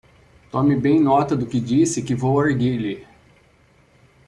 Tome bem nota do que disse, que vou argüir-lhe.